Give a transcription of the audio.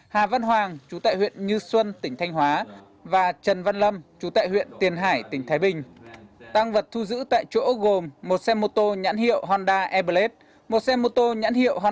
hà văn hoàng chú tại huyện như xuân tỉnh thanh hóa và trần văn lâm chú tại huyện tiền hải tỉnh thái bình